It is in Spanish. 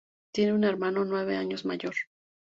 Tiene un hermano nueve años mayor.